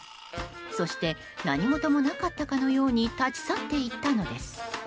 そして何事もなかったかのように立ち去っていったのです。